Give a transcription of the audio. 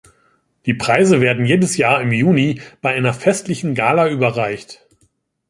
Die Preise werden jedes Jahr im Juni bei einer festlichen Gala überreicht.